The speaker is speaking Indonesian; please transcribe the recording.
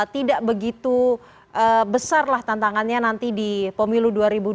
tidak begitu besarlah tantangannya nanti di pemilu dua ribu dua puluh